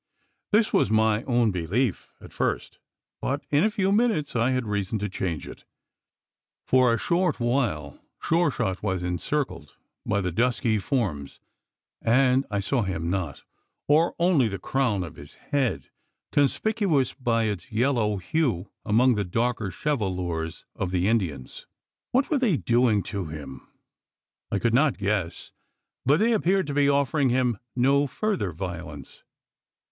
This was my own belief at first; but in a few minutes I had reason to change it. For a short while, Sure shot was encircled by the dusky forms, and I saw him not or only the crown of his head conspicuous by its yellow hue among the darker chevelures of the Indians. What were they doing to him? I could not guess; but they appeared to be offering him no further violence.